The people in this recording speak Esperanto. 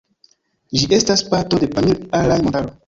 Ĝi estas parto de Pamir-Alaj-Montaro.